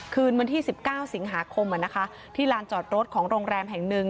คืนวันที่สิบเก้าสิงหาคมอ่ะนะคะที่ลานจอดรถของโรงแรมแห่งหนึ่ง